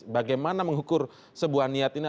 bagaimana mengukur sebuah niat ini